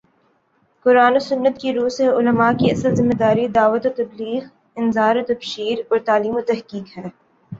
قرآن و سنت کی رو سے علما کی اصل ذمہ داری دعوت و تبلیغ، انذار و تبشیر اور تعلیم و تحقیق ہے